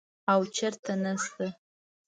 او چېرته نسته.